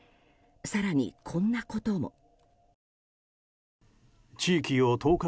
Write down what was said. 更に、こんなことも。